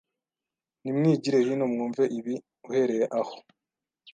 Nimwigire hino mwumve ibi uhereye aho